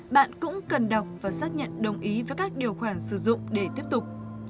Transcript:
bạn cũng cần đọc và xác nhận đồng ý với các điều khoản sử dụng để tiếp tục